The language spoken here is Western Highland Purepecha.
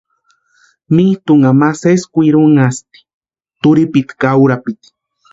Mitʼunha ma sési kwirinhasti turhipiti ka urapiti.